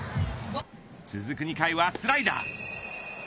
続く２回はスライダー。